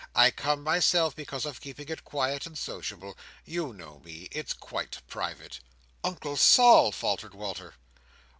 I come myself, because of keeping it quiet and sociable. You know me. It's quite private." "Uncle Sol!" faltered Walter.